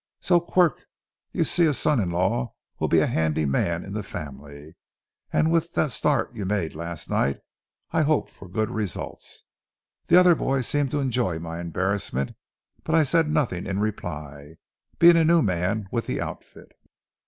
So, Quirk, you see, a son in law will be a handy man in the family, and with the start you made last night I hope for good results." The other boys seemed to enjoy my embarrassment, but I said nothing in reply, being a new man with the outfit.